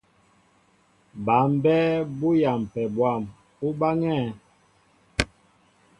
Bǎ mbɛ́ɛ́ bú yampɛ bwâm, ú báŋɛ́ɛ̄.